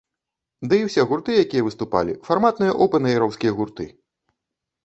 Ды і ўсе гурты, якія выступалі, фарматныя оўпэн-эйраўскія гурты.